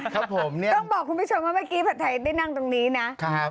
ต้องบอกคุณผู้ชมว่าเมื่อกี้ผัดไทยได้นั่งตรงนี้นะ